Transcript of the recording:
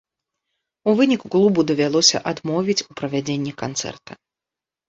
У выніку клубу давялося адмовіць у правядзенні канцэрта.